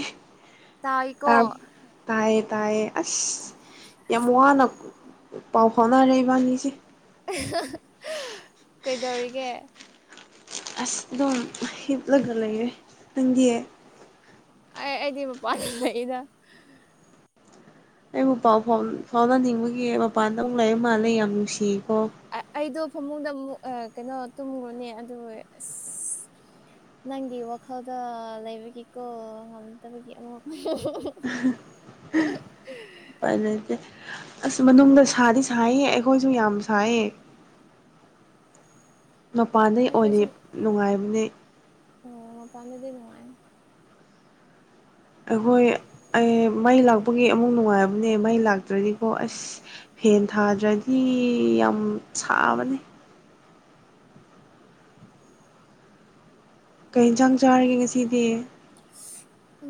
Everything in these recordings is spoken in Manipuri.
ꯑꯦ꯫ ꯇꯥꯏꯀꯣ꯫ ꯇꯥꯏꯌꯦ ꯇꯥꯏꯌꯦ ꯑꯁ ꯌꯥꯝ ꯋꯥꯅ ꯄꯥꯎ ꯐꯥꯎꯅꯔꯦ ꯏꯕꯥꯅꯤꯁꯦ꯫ ꯀꯩꯗꯧꯔꯤꯒꯦ꯫ ꯑꯁ ꯑꯗꯨꯝ ꯍꯤꯞꯂꯒ ꯂꯩꯔꯦ ꯅꯪꯗꯤ꯫ ꯑꯩꯗꯤ ꯃꯄꯥꯥꯟ ꯂꯩꯗ꯫ ꯑꯩꯕꯨ ꯄꯥꯎ ꯐꯥꯎ ꯐꯥꯎꯅꯅꯤꯡꯕꯒꯤ ꯃꯄꯥꯟꯗ ꯑꯃꯨꯛ ꯂꯥꯏꯔꯤ ꯃꯥꯜꯂꯦ ꯌꯥꯝ ꯅꯨꯡꯁꯤ꯫ ꯑꯩꯗꯣ ꯐꯃꯨꯡꯗ ꯑꯃꯨꯛ ꯀꯩꯅꯣ ꯇꯨꯝꯉꯨꯅꯤ ꯑꯗꯨ ꯑꯁ꯫ ꯅꯪꯒꯤ ꯋꯥꯈꯜꯗ ꯂꯩꯕꯒꯤꯀꯣ ꯉꯝꯗꯕꯒꯤ ꯑꯃꯨꯛ꯫ [unintelligible] ꯎꯄꯥꯏꯂꯩꯇꯦ ꯑꯁ ꯃꯅꯨꯡꯗ ꯁꯥꯗꯤ ꯁꯥꯏꯌꯦ ꯑꯩꯈꯣꯏꯁꯨ ꯌꯥꯝ ꯁꯥꯏꯌꯦ꯫ [unintelligible] ꯃꯄꯥꯟꯗꯩ ꯑꯣꯏꯅ ꯑꯩꯈꯣꯏꯁꯨ ꯅꯨꯡꯉꯥꯏꯕꯅꯦ꯫ ꯑꯣ ꯃꯄꯥꯟꯗꯤꯟꯅꯨꯉꯥꯏ꯫ ꯑꯩꯈꯣꯏ ꯑꯩ ꯃꯩ ꯂꯥꯛꯄꯒꯤ ꯑꯃꯨꯛ ꯅꯨꯡꯉꯥꯏꯕꯅꯦ ꯃꯩ ꯂꯥꯛꯇ꯭ꯔꯗꯤꯀꯣ ꯑꯁ꯫ ꯐꯦꯟ ꯊꯥꯗ꯭ꯔꯗꯤ ꯌꯥꯝ ꯁꯥꯕꯅꯤ꯫ ꯀꯩ ꯏꯟꯁꯥꯡ ꯆꯥꯔꯒꯦ ꯉꯁꯤꯗꯤ꯫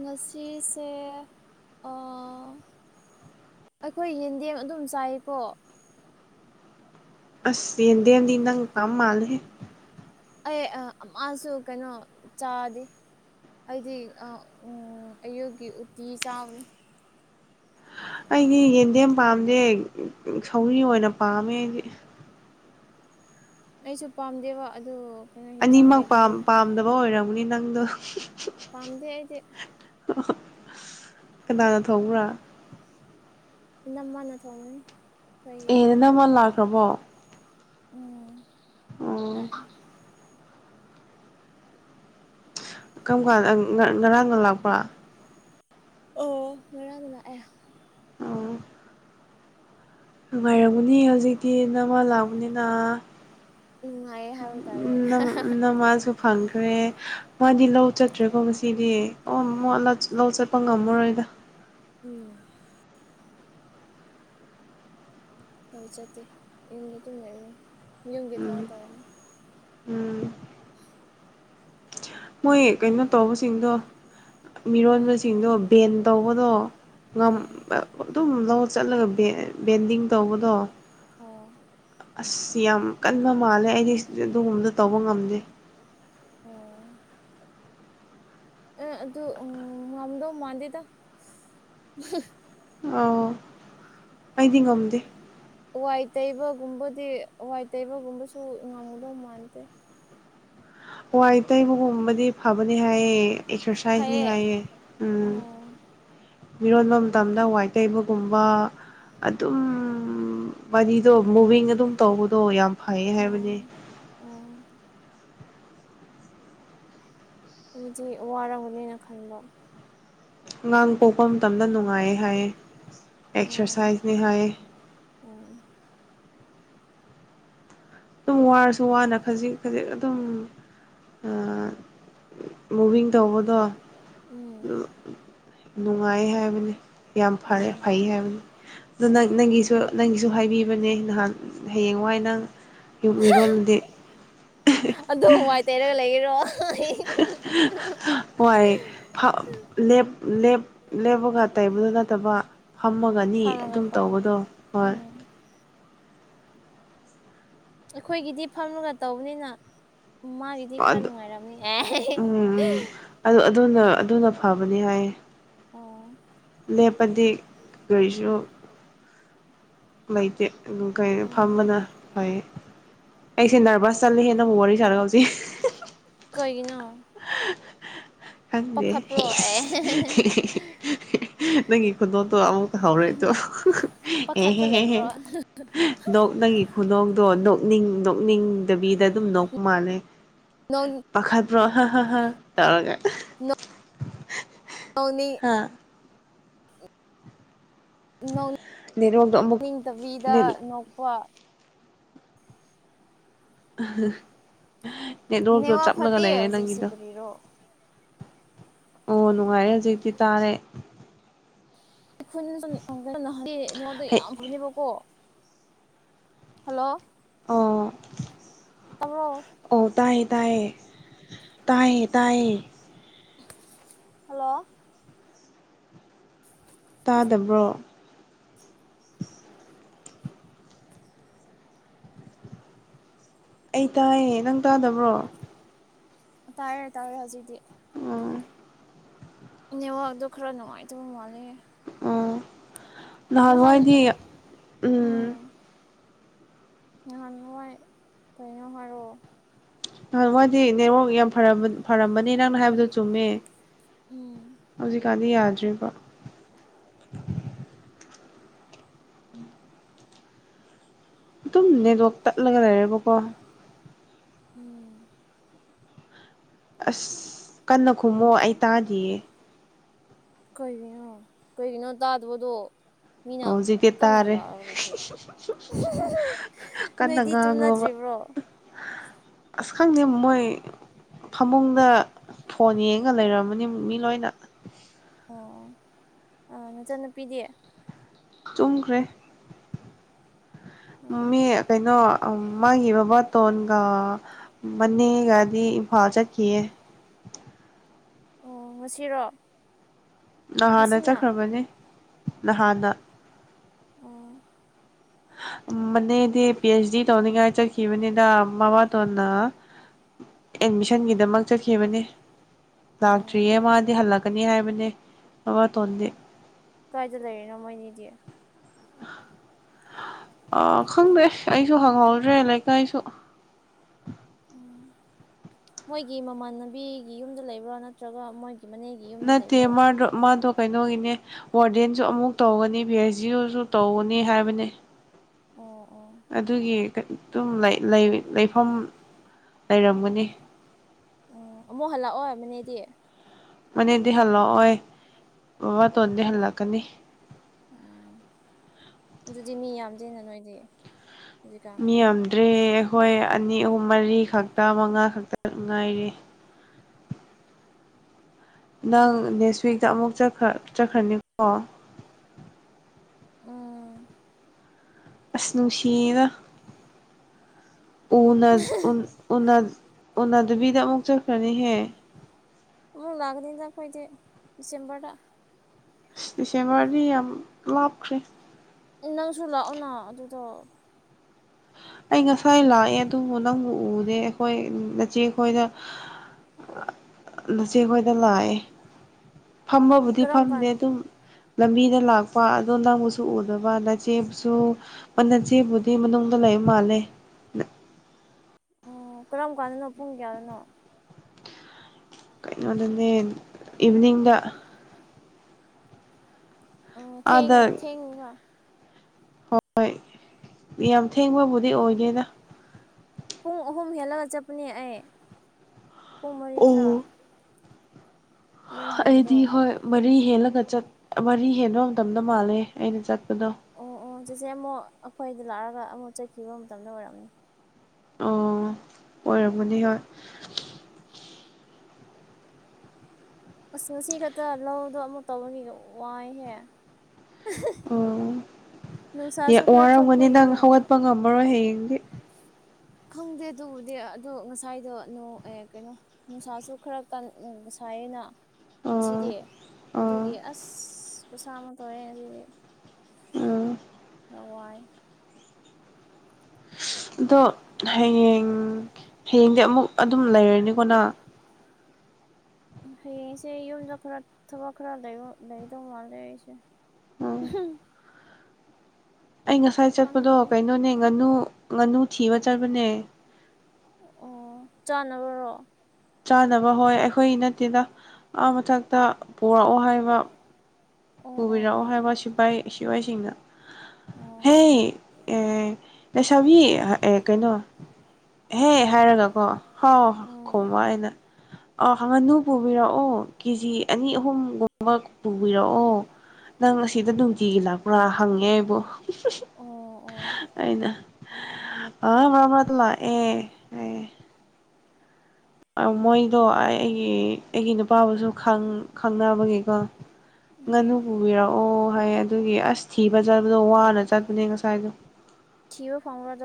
ꯉꯁꯤꯁꯦ ꯑꯥ꯫ ꯑꯩꯈꯣꯏ ꯌꯦꯟꯗꯦꯝ ꯑꯗꯨꯝ ꯆꯥꯏꯀꯣ꯫ ꯑꯁ ꯌꯦꯟꯗꯦꯝꯗꯤ ꯅꯪ ꯄꯥꯝ ꯃꯥꯜꯂꯦ ꯍꯦ꯫ ꯑꯩ ꯑꯃꯥꯁꯨ ꯀꯩꯅꯣ ꯆꯥꯗꯦ꯫ ꯑꯩꯗꯤ ꯑꯑꯌꯨꯛꯀꯤ ꯎꯇꯤ ꯆꯥꯕꯅꯤ꯫ ꯑꯩꯗꯤ ꯌꯦꯟꯗꯦꯝ ꯄꯥꯝꯖꯦ ꯁꯧꯒꯔꯤ ꯑꯣꯏꯅ ꯄꯥꯝꯃꯦ ꯑꯩꯗꯤ꯫ ꯑꯩꯁꯨ ꯄꯥꯝꯗꯦꯕ ꯑꯗꯨ꯫ ꯀꯩꯅꯣ ꯍꯤꯟꯖꯥꯡ ꯑꯅꯤꯃꯛ ꯄꯥꯝ ꯂꯩꯇꯕꯒꯤꯀꯣ ꯄꯥꯝꯗꯕ ꯑꯣꯏꯔꯝꯅꯤ ꯅꯪꯗꯣ꯫ ꯄꯥꯝꯗꯦ ꯑꯩꯗꯤ꯫ ꯀꯅꯥꯅ ꯊꯣꯡꯕ꯭ꯔꯥ꯫ ꯏꯅꯝꯃ ꯅ ꯊꯣꯡꯏ꯫ ꯑꯦ ꯅꯅꯝꯃꯥ ꯂꯥꯛꯈ꯭ꯔꯕꯣ꯫ ꯎꯝ ꯑꯣ ꯂꯥꯛꯑꯦ꯫ ꯀꯔꯝ ꯀꯥꯟꯗ ꯉꯔꯥꯡ ꯉꯔꯥꯡꯅ ꯂꯥꯛꯄꯥ꯫ ꯑꯣ ꯉꯔꯥꯡ ꯂꯥꯛ ꯑꯦ꯫ ꯑꯣ꯫ ꯅꯨꯡꯉꯥꯏꯔꯝꯃꯅꯤ ꯍꯧꯖꯤꯛꯇꯤ ꯅꯃ ꯂꯥꯛꯕꯅꯤꯅ꯫ ꯅꯨꯡꯉꯥꯏꯌꯦ ꯍꯥꯏꯕ ꯇꯥꯔꯦ ꯅꯃꯥꯖꯨ꯫ ꯐꯪꯈ꯭ꯔꯦ ꯃꯥꯗꯤ ꯂꯧ ꯆꯠꯇ꯭ꯔꯦꯀꯣ ꯉꯁꯤꯗꯤ ꯑꯣꯃ ꯂꯧ ꯆꯠꯄ ꯉꯝꯃꯔꯣꯏꯗ꯫ [unintelligible] ꯎꯝ꯫ ꯑꯩ ꯆꯠꯇꯦ ꯌꯨꯝꯗ ꯑꯗꯨꯝ ꯂꯩꯌꯦ ꯌꯨꯝꯒꯤ ꯎꯝ ꯊꯥꯕꯛ ꯇꯧꯅ꯫ ꯎꯝ ꯃꯣꯏ ꯀꯩꯅꯣ ꯇꯧꯕꯁꯤꯡꯗꯣ꯫ ꯎꯝ ꯃꯤꯔꯣꯟꯕꯁꯤꯡꯗꯣ ꯕꯦꯟ ꯇꯧꯕꯗꯣ ꯎꯝ ꯑꯗꯨꯝ ꯂꯧ꯫ ꯆꯠꯂꯒ ꯕꯦꯟꯗꯤꯡ ꯇꯧꯕꯗꯣ ꯑꯣ ꯑꯁ꯫ ꯁꯤ ꯌꯥꯝ ꯀꯟꯕ ꯃꯥꯜꯂꯦ ꯑꯩꯗꯤ ꯑꯗꯨꯒꯨꯝꯕꯗ ꯇꯧꯕ ꯉꯝꯗꯦ꯫ ꯑꯣ꯫ ꯑꯦ ꯑꯗꯨ ꯉꯝꯗꯧ ꯃꯥꯟꯗꯦꯗ꯫ ꯑꯪ ꯑꯩꯗꯤ ꯉꯝꯗꯦ꯫ ꯋꯥꯏ ꯇꯩꯕꯒꯨꯝꯕꯗꯤ ꯍꯏ ꯇꯩꯕꯒꯨꯝꯕꯁꯨ ꯉꯝꯒꯗꯧ ꯃꯥꯟꯗꯦ ꯍꯋꯥꯏ ꯇꯩꯕꯒꯨꯝꯕꯗꯤ ꯐꯕꯅꯤ ꯍꯥꯏꯑ ꯑꯦꯛꯁꯔꯁꯥꯏꯁꯅꯤ ꯐꯩꯌꯦ ꯍꯥꯏꯌꯦ ꯎꯝ ꯑꯣ ꯃꯤꯔꯣꯟꯕ ꯃꯇꯝꯗ ꯋꯥꯏ ꯇꯩꯕꯒꯨꯝꯕ ꯑꯗꯨꯝ ꯃꯗꯣ ꯃꯨꯚꯡ ꯑꯗꯨꯝ ꯇꯧꯕꯗꯣ ꯌꯥꯝ ꯐꯩꯌꯦ ꯑꯣ ꯍꯥꯏꯕꯅꯦ ꯑꯣ ꯍꯥꯏꯗꯤ ꯋꯥꯔꯝꯒꯅꯦꯅ ꯈꯟꯕ ꯑꯉꯥꯡ ꯄꯣꯛꯄ ꯃꯇꯝꯗ ꯅꯨꯡꯉꯥꯏꯌꯦ ꯍꯥꯏꯌꯦ ꯑꯣ ꯑꯦꯛꯁꯔꯁꯥꯏꯁꯅꯤ ꯎꯝ ꯍꯥꯏꯌꯦ [unintelligible] ꯑꯗꯨꯝ ꯋꯥꯔꯁꯨ ꯋꯥꯅ ꯈꯖꯤꯛ ꯈꯖꯤꯛ ꯑꯗꯨꯝ ꯃꯨꯚꯤꯡ ꯇꯧꯕꯗꯣ ꯎꯝ ꯅꯨꯡꯉꯥꯏ ꯍꯥꯏꯕꯅꯤ ꯌꯥꯝ ꯐꯔꯦ ꯎꯝ ꯐꯩ ꯍꯥꯏꯕꯅꯤ ꯑꯗ ꯎꯝ ꯅꯪꯒꯤꯁꯨ ꯅꯪꯒꯤꯁꯨ ꯍꯥꯏꯕꯤꯕꯅꯦ ꯅꯍꯥꯟ ꯍꯌꯦꯡ ꯅꯋꯥꯏ ꯅꯪ ꯌꯣꯛ ꯃꯤꯔꯣꯜꯗꯤ ꯑꯗꯣ ꯍ ꯋꯥꯏ ꯇꯩꯔꯒ ꯂꯩꯒꯔꯣ ꯋꯥ ꯂꯦꯞꯄꯒ ꯇꯩꯕꯗꯨ ꯅꯠꯇꯕ ꯐꯝꯃ ꯐꯒꯅꯤ ꯑꯗꯨꯝ ꯐꯝꯃꯒꯀꯣ ꯇꯧꯕꯗꯣ ꯍꯣꯏ [unintelligible] ꯑꯩꯈꯣꯏꯒꯤꯗꯤ ꯐꯝꯃꯒ ꯇꯧꯕꯅꯤꯅ ꯃꯥ ꯏꯗꯤ ꯈꯔ ꯑꯗꯨ ꯅꯨꯡꯉꯥꯏꯔꯝꯅꯤ ꯑꯦ ꯎꯝ ꯑꯗꯨ ꯑꯗꯨꯅ ꯑꯗꯨꯅ ꯑꯣ ꯂꯦꯄꯗꯤ ꯀꯁꯨ ꯂꯩꯇꯦ ꯑꯗꯨꯝ ꯀꯩ ꯎꯝ ꯐꯝꯕꯅ ꯍꯥꯏ ꯑꯩꯁꯦ ꯅꯔꯚꯁ ꯆꯠꯂꯤ ꯍꯦꯅ ꯍꯅꯤ ꯁꯥꯔꯒꯥꯎꯁꯤꯦ ꯀꯅ ꯑꯪꯅꯦ ꯅꯪꯒꯤ ꯈꯨꯗꯣꯠꯇꯣ ꯑꯃꯨꯛꯇ ꯍꯥꯎꯔꯦꯗꯣ ꯄꯥꯈꯠꯄ ꯑꯦꯍꯦ ꯍꯦꯍ ꯂꯩꯕ꯭ꯔꯣ ꯅꯣꯛꯅꯒꯤ ꯈꯨꯗꯣꯛꯗꯣ ꯅꯣꯛꯅꯤꯡ ꯄꯨꯛꯅꯤꯡꯗꯕꯤꯗ ꯑꯗꯨꯝ ꯅꯣꯛ ꯃꯥꯟꯅꯩ ꯅꯣꯡ ꯔ꯭ꯔꯍ ꯍ ꯍꯥ ꯇꯔꯒ ꯅ [unintelligible] ꯑꯅꯤ ꯍꯥ ꯅꯤꯡ ꯅꯦꯠꯋꯥꯛꯇꯣ ꯑꯃꯨꯛ ꯅꯤꯡꯇꯕꯤꯗ ꯅꯦꯠ ꯅꯣꯛꯄ ꯅ ꯔꯣꯣ ꯅꯦꯋꯥꯛ ꯐꯠꯇꯦ ꯆꯞꯂꯒ ꯂꯩꯔꯦ ꯍꯧꯖꯤꯛꯁꯦ ꯅꯪꯒꯤꯗ ꯀꯔꯤꯔꯣ ꯑꯣ ꯅꯨꯡꯉꯥꯏꯔꯦ ꯍꯧꯖꯤꯛꯇꯤ ꯇꯥꯔꯦ ꯑꯩꯈꯣꯏꯅꯁꯨ ꯅꯉꯣꯟꯗꯣ ꯍꯩ ꯌꯥꯝ ꯐꯅꯦꯕꯀꯣ ꯍꯜꯂꯣ ꯑꯣ ꯇꯥꯕ꯭ꯔꯣ ꯑꯣ ꯇꯥꯏꯌꯦ ꯇꯥꯏꯌꯦ ꯇꯥꯏꯌꯦ ꯇꯥꯏꯌꯦ ꯍꯜꯂꯣ ꯇꯥꯗꯕ꯭ꯔꯣ ꯑꯩ ꯇꯥꯏꯌꯦ ꯅꯪ ꯇꯥꯗꯕ꯭ꯔꯣ ꯇꯥꯔꯦ ꯇꯥꯔꯦ ꯍꯧꯖꯤꯛꯗꯤ ꯑ ꯅꯉꯗꯣ ꯈꯔ ꯅꯨꯡꯉꯥꯏꯇꯕ ꯃꯥꯜꯂꯦ ꯅꯍꯥꯟ ꯋꯥꯗꯤ ꯎꯝ ꯉꯍꯥꯟ ꯉꯥꯏ ꯀꯩꯅꯣ ꯍꯥꯏꯔꯛꯑꯣ ꯍ ꯋꯥ ꯁꯤꯗꯤ ꯅꯦꯠꯋꯥꯛ ꯌꯥꯝ ꯐꯔꯝꯕꯅꯦ ꯅꯪꯅ ꯍꯥꯏꯕꯗꯨꯣ ꯆꯨꯝꯃꯦ ꯎꯝ ꯍꯧꯖꯤꯛꯀꯥꯟ ꯗꯤ ꯌꯥꯗ꯭ꯔꯤꯕ ꯑꯗꯨꯝ ꯅꯦꯠꯋꯥꯛ ꯇꯠꯂꯒ ꯂꯩꯔꯔꯕꯀꯣ ꯎꯝ ꯑꯁ ꯀꯟꯅ ꯈꯨꯝꯃꯣ ꯑꯩ ꯇꯥꯗꯤꯌꯦ ꯀꯩꯒꯤꯅꯣ ꯀꯩꯒꯤꯅꯣ ꯇꯥꯗꯕꯗꯣ ꯃꯤꯅ ꯍꯧꯖꯤꯛꯇꯤ ꯀꯟꯅ ꯇꯥꯔꯦ ꯂꯥꯛꯔꯨꯔꯁꯦ ꯀꯟꯅ ꯅꯣꯏꯗꯤ ꯉꯥꯡꯉꯣꯕ ꯇꯨꯝꯅꯗ꯭ꯔꯤꯕ꯭ꯔꯣ ꯑꯁ ꯈꯪꯗꯦ ꯃꯣꯏ ꯐꯃꯨꯡꯗ ꯐꯣꯟ ꯌꯦꯡꯉ ꯂꯩꯔꯝꯃꯅꯤ ꯃꯤ ꯂꯣꯏꯅ ꯑꯣ ꯑꯥ ꯅꯆꯥꯟꯅꯨꯄꯤꯗꯤ ꯆꯨꯝꯈ꯭ꯔꯦ ꯎꯝ ꯃꯤ ꯀꯩꯅꯣ ꯃꯥꯒꯤ ꯕꯕꯥꯇꯣꯟꯒ ꯃꯅꯦꯒꯗꯤ ꯏꯝꯐꯥꯜ ꯆꯠ ꯌꯦ ꯑꯣ ꯉꯁꯤꯔꯣ ꯅꯍꯥꯟꯅ ꯉꯁꯤꯅ ꯆꯠꯈ꯭ꯔꯕꯅꯦ ꯅꯍꯥꯟꯗ ꯑꯣ ꯃꯅꯦꯗꯤ ꯄꯤ ꯑꯩꯆ ꯗꯤ ꯇꯧꯅꯤꯡꯉꯥꯏ ꯆꯠꯈꯤꯕꯅꯤꯗ ꯃꯕꯥꯇꯣꯟꯅ ꯑꯦꯠꯃꯤꯁꯟꯒꯤꯗꯃꯛ ꯆꯠꯈꯤꯕꯅꯦ ꯑꯣ ꯂꯥꯛꯇ꯭ꯔꯤꯌꯦ ꯃꯥꯗꯤ ꯍꯜꯂꯛꯀꯅꯤ ꯍꯥꯏꯕꯅꯦ ꯑꯕ ꯇꯣ ꯀꯥꯏꯗ ꯂꯩꯔꯤꯅꯣ ꯃꯣꯏꯅꯤꯗꯤ ꯑ ꯈꯪꯗꯦ ꯑꯩꯁꯨ ꯍꯪꯍꯧꯗ꯭ꯔꯦ ꯂꯩꯀꯥꯏꯁꯨ ꯎꯝ ꯃꯣꯏꯒꯤ ꯃꯃꯥꯟꯅꯕꯤꯒꯤ ꯌꯨꯝꯗ ꯂꯩꯕ꯭ꯔꯥ ꯅꯠꯇ꯭ꯔꯒ ꯃꯣꯏ ꯅꯠꯇꯦ ꯃꯥ꯭ꯔꯣ ꯃꯥꯗ ꯀꯩꯅꯣꯒꯤꯅꯦ ꯋꯥꯔꯗꯦꯟꯁꯨ ꯑꯃꯨꯛ ꯇꯧꯒꯅꯤ ꯚꯤ ꯑꯩꯁ ꯖꯤꯁꯨ ꯇꯧꯒꯅꯤ ꯍꯥꯏꯕꯅꯤ ꯑꯣ ꯑꯣ ꯑꯗꯨꯒꯤ ꯑꯗꯨꯝ ꯂꯩꯐꯝ ꯂꯩꯔꯝꯒꯅꯤ ꯑꯣ ꯃꯣ ꯍꯂꯥ ꯑꯣ ꯃꯗꯤ ꯃꯅꯤꯗꯤ ꯍꯜꯂ ꯑꯣꯏꯕꯥ ꯑꯗꯨꯗꯤ ꯃꯤ ꯌꯥꯝ ꯑꯗꯨ ꯅ ꯅꯣꯏꯗꯤ ꯍꯧꯖꯤꯛꯀꯥꯟ ꯃꯤ ꯌꯥꯝꯗ ꯇ꯭ꯔꯦ ꯍꯣꯏ ꯑꯅꯤ ꯑꯍꯨꯝ ꯃꯔꯤ ꯈꯛꯇ ꯃꯉꯥ ꯈꯛꯇ ꯉꯥꯏꯔꯦ [unintelligible] ꯅꯪ ꯅꯦꯛꯁ ꯋꯤꯛꯇ ꯑꯃꯨꯛ ꯆꯠꯈ꯭ꯔꯅꯤꯀꯣ ꯎꯝ ꯑꯁ ꯅꯨꯡꯁꯤꯗ ꯎꯅꯥ ꯎꯅꯥ ꯎꯅꯗꯕꯤꯗ ꯑꯃꯨꯛ ꯆꯠꯈ꯭ꯔꯅꯤꯍꯦ ꯑꯥꯃꯨꯛ ꯂꯥꯛꯀꯥꯅꯤꯗ ꯑꯩꯈꯣꯏꯗꯤ ꯗꯤꯁꯦꯝꯕꯔꯗꯥ ꯑꯁ ꯗꯤꯁꯦꯝꯕꯔꯗꯤ ꯌꯥꯝ ꯂꯥꯞꯈ꯭ꯔꯦ ꯅꯪꯁꯨꯂꯥꯛ ꯑꯣꯅ ꯑꯗꯨꯗꯗ ꯑꯩ ꯉꯁꯥꯏ ꯂꯥꯛꯑꯦ ꯑꯗꯨꯕꯨ ꯅꯪꯕꯨ ꯎꯗꯦ ꯑꯩꯈꯣꯏ ꯅꯆꯦ ꯑꯩꯈꯣꯏꯗ ꯅꯆꯦ ꯑꯩꯈꯣꯏꯗ ꯂꯥꯛꯑꯦ ꯐꯝꯃꯕꯨꯗꯤ ꯀꯔꯝ ꯀꯥꯟ ꯐꯝꯗꯦ ꯑꯗꯨꯝ ꯂꯝꯕꯤꯗ ꯂꯥꯛꯄ ꯑꯗꯣ ꯅꯪꯕꯨꯁꯨ ꯎꯗꯕ ꯅꯆꯦ ꯁꯨ ꯃꯟ ꯅꯆꯦꯕꯨꯗꯤ ꯃꯅꯨꯡꯗ ꯂꯩꯕ ꯃꯥꯜꯂꯦ ꯑꯣ ꯀꯔꯝ ꯀꯥꯟꯗꯅꯣ ꯄꯨꯡ ꯀꯌꯥꯗꯅꯣ ꯀꯩꯅꯣꯗꯅꯦ ꯏꯚꯤꯅꯤꯡꯗ ꯑꯣ ꯊꯦꯡ ꯊꯦꯡꯕ ꯍꯣꯏ ꯌꯥꯝ ꯊꯦꯡꯕꯕꯨꯗꯤ ꯑꯣꯏꯗꯦꯗ ꯄꯨꯡ ꯑꯍꯨꯝ ꯍꯦꯜꯂꯒ ꯆꯠꯄꯅꯦ ꯑꯩ ꯄꯨꯡ ꯃꯔꯤꯗ꯭ꯔꯥ ꯑꯣ ꯌꯨꯝ ꯍꯟꯕꯗꯣ ꯑꯩꯗꯤ ꯍꯣꯏ ꯃꯔꯤ ꯍꯦꯜꯂꯒ ꯆꯠ ꯃꯔꯤ ꯍꯦꯟꯕ ꯃꯇꯝꯗ ꯃꯥꯜꯂꯦ ꯑꯩꯅ ꯆꯠ ꯑꯣ ꯑꯣ ꯆꯦꯆꯦ ꯑꯃꯨꯛ ꯑꯩꯈꯣꯏꯗ ꯂꯥꯛꯑꯒ ꯑꯃꯨꯛ ꯆꯠꯈꯤꯕ ꯃꯇꯝꯗ ꯑꯣꯏꯔꯝꯅꯤ ꯑꯣ ꯑꯣꯏꯔꯝꯃꯅꯤ ꯍꯣꯏ ꯑꯁ ꯉꯁꯤ ꯈꯛꯇ ꯂꯧꯗꯣ ꯑꯃꯨꯛ ꯇꯧꯕꯒꯤ ꯋꯥꯏꯍꯦ ꯅꯨꯡꯁꯥꯁꯨ ꯑꯣ ꯈꯔ ꯋꯥꯔꯝꯒꯅꯤ ꯅꯪ ꯊꯣꯛꯄꯒꯤꯀꯣ ꯍꯧꯒꯠꯄ ꯉꯝꯃꯔꯣꯏ ꯍꯌꯦꯡꯗꯤ ꯈꯪꯗꯦ ꯑꯗꯨꯕꯨꯗꯤ ꯑꯗꯣ ꯉꯁꯥꯏꯗꯣ ꯅꯣꯡ ꯑꯦ ꯀꯩꯅꯣ ꯅꯨꯡꯁꯥꯁꯨ ꯈꯔ ꯀꯟ ꯁꯥꯏꯅ ꯉꯁꯤꯗꯤ ꯑꯣ ꯑꯣ ꯑꯗꯨꯒꯤ ꯑꯁ ꯈꯨꯁꯥ ꯑꯃ ꯇꯧꯔꯦ ꯉꯥꯁꯤꯗꯤ ꯑꯥ ꯑꯗꯣ ꯍꯌꯦꯡ ꯍꯌꯦꯡꯗꯤ ꯑꯃꯨꯛ ꯑꯗꯨꯝ ꯂꯩꯔꯅꯤꯀꯣꯅꯪ ꯍꯌꯦꯡꯁꯦ ꯌꯨꯝꯗ ꯈꯔ ꯊꯕꯛ ꯈꯔ ꯂꯩꯕ ꯂꯩꯗꯧ ꯃꯥꯜꯂꯦ ꯑꯩꯁꯦ ꯎꯝ ꯑꯩ ꯉꯁꯥꯏ ꯆꯠꯄꯗꯣ ꯀꯩꯅꯣꯅꯦ ꯉꯥꯅꯨ ꯉꯥꯅꯨ ꯊꯤꯕ ꯆꯠꯄꯅꯦ ꯑꯣ ꯆꯥꯅꯕꯔꯣ ꯆꯥꯅꯕ ꯍꯣꯏ ꯑꯩꯈꯣꯏ ꯅꯠꯇꯦꯗ ꯑ ꯃꯊꯛꯇ ꯄꯨꯔꯛꯑꯣ ꯍꯥꯏꯕ ꯑꯣ ꯑꯣ ꯄꯨꯕꯤꯔꯛꯑꯣ ꯑꯣ ꯑꯣ ꯍꯥꯏꯕ ꯁꯤꯐꯥꯏ ꯁꯤꯐꯥꯏꯁꯤꯡꯅ ꯑꯣ ꯍꯦ ꯑꯦ ꯂꯩꯁꯕꯤ ꯀꯩꯅꯣ ꯍꯦ ꯍꯥꯏꯔꯒꯀꯣ ꯍꯥꯎ ꯎꯝ ꯈꯣꯡꯕ ꯑꯩꯅ ꯑ ꯍꯪ ꯉꯅꯨ ꯄꯨꯕꯤꯔꯛꯑꯣ ꯀꯦꯖꯤ ꯑꯅꯤ ꯑꯍꯨꯝꯒꯨꯝꯕ ꯄꯨꯕꯤꯔꯛꯑꯣ ꯅꯪ ꯑꯁꯤꯗ ꯅꯨꯡꯇꯤꯒꯤ ꯂꯥꯛꯄ꯭ꯔꯥ ꯍꯪꯉꯦ ꯑꯩꯕꯨ ꯑꯣ ꯑꯣ ꯑꯩꯅ ꯑ ꯃꯔꯛ ꯃꯔꯛ꫰ꯇꯥ ꯄꯥꯛ ꯑꯦ ꯃꯣꯏꯗꯣ ꯑꯩ ꯑꯩꯒꯤ ꯑꯩꯒꯤ ꯅꯨꯄꯥꯕꯨꯁꯨ ꯈꯪꯅꯕꯒꯤꯀꯣ ꯉꯥꯅꯨ ꯎꯝ ꯄꯨꯕꯤꯔꯛꯑꯣ ꯍꯥꯏ ꯑꯗꯨꯒꯤ ꯑꯁ ꯊꯤꯕ ꯆꯠꯕꯗꯣ ꯋꯥꯅ ꯆꯠꯄꯅꯦ ꯉꯁꯥꯏꯗꯣ ꯊꯤꯕ ꯐꯪꯕ꯭ꯔꯥ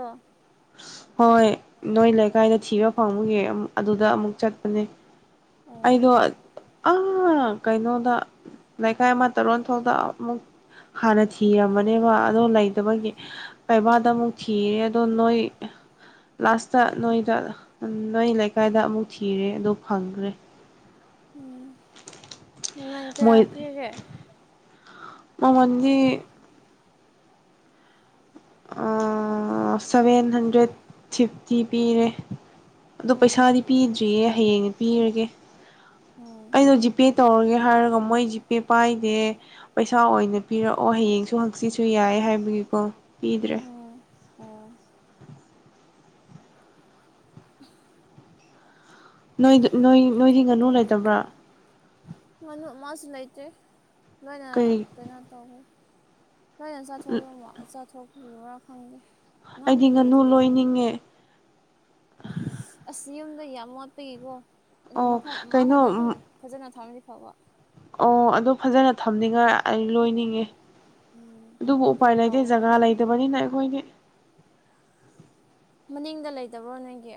ꯍꯣꯏ ꯅꯣꯏ ꯂꯩꯀꯥꯏꯗ ꯊꯤꯕ ꯐꯪꯕꯒꯤ ꯑꯗꯨꯗ ꯑꯃꯨꯛ ꯆꯠꯄꯅꯦ ꯑꯩꯗꯣ ꯑꯣ ꯑ ꯀꯩꯅꯣꯗ ꯂꯩꯈꯥꯏ ꯑꯃꯇ ꯔꯣꯟ ꯐꯥꯎꯗ ꯑꯃꯨꯛ ꯍꯥꯟꯅ ꯊꯤꯔꯝꯃꯅꯦꯕ ꯑꯗꯣ ꯂꯩꯇꯕꯒꯤ ꯄꯩꯕꯥꯗ ꯑꯃꯨꯛ ꯊꯤꯔꯦ ꯑꯗꯣ ꯅꯣꯏ ꯂꯥꯁꯇ ꯅꯣꯏꯗ ꯅꯣꯏ ꯂꯩꯀꯥꯏꯗ ꯑꯃꯨꯛ ꯊꯤꯔꯦ ꯑꯗꯨ ꯐꯪꯉꯦ ꯈ꯭ꯔꯦ ꯎꯝ ꯃꯃꯜ ꯀꯌꯥ ꯃꯣꯏ ꯍꯄꯤꯒꯦ ꯃꯃꯜ ꯗꯤ ꯑꯥ ꯁꯚꯦꯟ ꯍꯟꯗ꯭ꯔꯦꯠ ꯐꯤꯐꯇꯤ ꯄꯤꯔꯦ ꯑꯣ ꯎꯝ ꯄꯩꯁꯥꯗꯤ ꯄꯤꯗ꯭ꯔꯤꯌꯦ ꯍꯌꯦꯡꯗꯤ ꯄꯤꯔꯒ‌ꯦ ꯎꯝ ꯑꯩꯩꯗ‌ꯣ ꯖꯤꯄꯦ ꯇꯧꯔꯒꯦ ꯍꯥꯏꯔꯒ ꯃꯣꯏ ꯖꯤꯄꯦ ꯄꯥꯏꯗꯦ ꯄꯩ ꯁꯥ ꯑꯣꯏꯅ ꯄꯤꯔꯛꯑꯣ ꯍꯌꯦꯡꯁꯨ ꯍꯪꯆꯤꯠꯁꯨ ꯌꯥꯏ ꯍꯥꯏꯕꯒꯤꯀꯣ ꯄꯤꯗ꯭ꯔꯦ ꯑꯣ ꯑꯣ [unintelligible] ꯅꯣꯏꯗ ꯅꯣꯏ ꯅꯣꯏꯒꯤ ꯉꯥꯅꯨ ꯂꯩꯇꯕ꯭ꯔꯥ ꯨ ꯂꯩꯇ꯭ꯔꯦ ꯂꯣꯏꯅ ꯀꯩ ꯀꯩꯅꯣ ꯇꯧꯈ꯭ꯔꯦ ꯂꯣꯏꯅ ꯆꯥꯊꯣꯛꯈꯤꯕꯝꯃꯣ ꯆꯥꯊꯣꯛꯈ꯭ꯔꯤꯕꯔꯥ ꯈꯪꯗꯦ ꯑꯩꯗꯤ ꯅꯍꯥꯟꯗꯤ ꯉꯥꯅꯨ ꯂꯩꯗꯤ ꯂꯩꯕꯅꯤꯗꯣ ꯂꯣꯏꯅꯤꯡꯉꯦ ꯑꯁ ꯌꯨꯝꯗ ꯌꯥꯝ ꯃ‌ꯣꯠꯄꯒꯤꯀꯣ ꯑꯗ ꯑꯣ ꯃꯐꯝ ꯑꯃ ꯀꯩꯅꯣ ꯈꯛꯇ ꯑꯗꯨꯝ ꯐꯖꯅ ꯊꯝꯃꯗꯤ ꯐꯕ ꯑꯣ ꯑꯗꯨ ꯐꯖꯅ ꯊꯝꯅꯤꯡꯉꯥꯏ ꯑꯩ ꯂꯣꯏꯅꯤꯡꯉꯦ ꯎꯝ ꯑꯗꯨꯕꯨ ꯑꯗꯨ ꯎꯄꯥꯏ ꯂꯩꯇꯦ ꯂꯧ ꯖꯒꯥ ꯂꯩꯇꯕꯅꯤꯅ ꯑꯩꯈꯣꯏꯗꯤ ꯃꯅꯤꯡꯗ ꯂꯩꯇꯕ꯭ꯔꯣ ꯅꯪꯒꯤ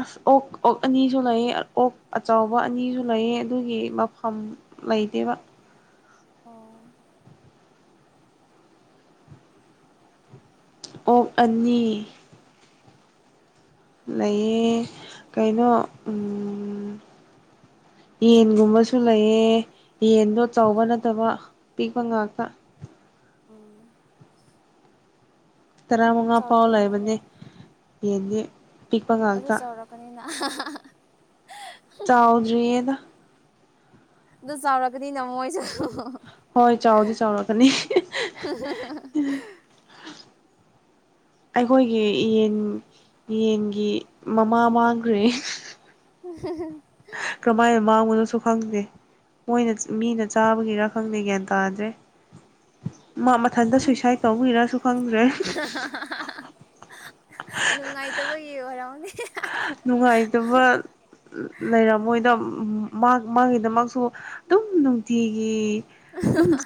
ꯑꯁ ꯑꯣꯛ ꯑꯣꯛ ꯑꯅꯤꯁꯨ ꯂꯩꯌ‌ꯦ ꯑꯣꯛ ꯑꯆꯧꯕ ꯑꯅꯤꯁꯨ ꯂꯩꯌ‌ꯦ ꯑꯗꯨꯒꯤ ꯃꯐꯝ ꯂꯩꯩꯇ‌ꯦꯕ ꯑꯣ ꯑꯣꯛ ꯑꯅꯤ ꯂꯩꯌꯦ ꯀꯩꯅꯣ ꯎꯝ ꯌꯦꯟꯒꯨꯝꯕꯁꯨ ꯂꯩꯌꯦ ꯌꯦꯟꯗꯣ ꯆꯥꯎꯕ ꯅꯠꯇꯕ ꯄꯤꯛꯄ ꯉꯥꯛꯇ ꯑꯣ ꯇꯔꯥ ꯃꯉꯥ ꯐꯥꯎ ꯂꯩꯕꯅꯦ ꯌꯦꯟꯗꯤ ꯄꯤꯛꯄ ꯑꯗꯨ ꯉꯥꯛꯇ [unintelligible] ꯆꯥꯎꯗꯔꯤꯌꯦꯗ ꯑꯗ‌ꯣ ꯆꯥꯎꯔꯒꯗꯤ ꯅꯃꯣꯏꯁꯨ ꯍꯣꯏ ꯆꯥꯎꯗꯤ ꯆꯥꯎꯔꯛꯀꯅꯤ [unintelligible] ꯑꯩꯈꯣꯏꯒꯤ ꯌꯦꯟ ꯌꯦꯟꯒꯤ ꯃꯃꯥ ꯃꯥꯡꯈ꯭ꯔꯦ [unintelligible] ꯀꯔꯝꯃꯥꯏꯅ ꯃꯥꯡꯕꯅꯣꯁꯨ ꯈꯪꯗꯦ ꯃꯣꯏꯅ [unintelligible] ꯃꯤꯅ ꯆꯥꯕꯒꯤꯔꯥ ꯈꯪꯗ‌ꯦ ꯒ꯭ꯌꯥꯟ ꯇꯥꯗ꯭ꯔꯦ [inaudible] ꯃꯥ ꯃꯊꯟꯇ ꯁꯨꯏꯁꯥꯏꯠ ꯇꯧꯕꯩꯔꯁꯨ ꯈꯪꯗ꯭ꯔꯦ ꯅꯨꯡꯉꯥꯏꯇꯕꯒꯤ ꯑꯣꯏꯔꯝꯅꯦ ꯅꯨꯡꯉꯥꯏꯇꯕ ꯂꯩꯔꯝꯃꯣꯏꯗ ꯃꯥꯒꯤꯗꯃꯛꯁꯨ ꯑꯗꯨꯝ ꯅꯨꯡꯇꯤꯒꯤ ꯑꯗꯨꯝ